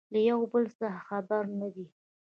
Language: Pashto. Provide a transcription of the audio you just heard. له يو بل څخه خبر نه دي